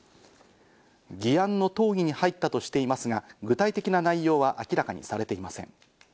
議案の討議に入ったとしていますが、具体的な内容は明らかにされていません。